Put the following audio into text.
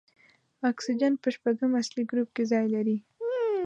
اکسیجن په شپږم اصلي ګروپ کې ځای لري.